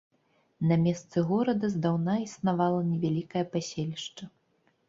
На месцы горада здаўна існавала невялікае паселішча.